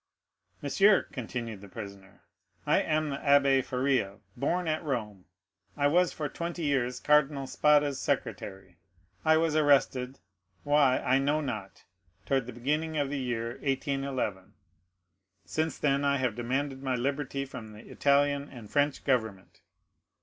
"Monsieur," continued the prisoner, "I am the Abbé Faria, born at Rome. I was for twenty years Cardinal Spada's secretary; I was arrested, why, I know not, toward the beginning of the year 1811; since then I have demanded my liberty from the Italian and French government."